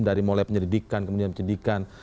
dari mulai penyelidikan kemudian penyidikan